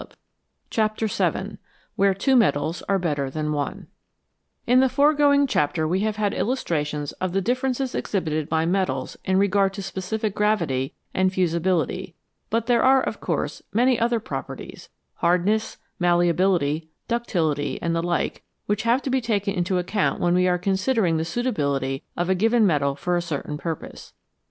71 CHAPTER VII WHERE TWO METALS ARE BETTER THAN ONE IN the foregoing chapter we have had illustrations of the differences exhibited by metals in regard to specific gravity and fusibility, but there are, of course, many other properties hardness, malleability, ductility, and the like which have to be taken into account when we are considering the suitability of a given metal for a certain purpose.